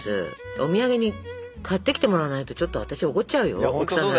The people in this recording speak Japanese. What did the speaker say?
お土産に買ってきてもらわないとちょっと私怒っちゃうよ奥さんだったら。